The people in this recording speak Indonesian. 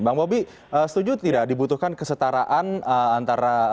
bang bobi setuju tidak dibutuhkan kesetaraan antara